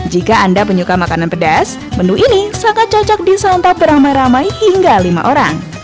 jika anda penyuka makanan pedas menu ini sangat cocok disantap beramai ramai hingga lima orang